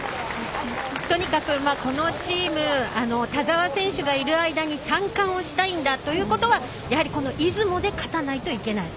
とにかく、このチーム田澤選手がいる間に３冠をしたいんだということはやはり出雲で勝たないといけない？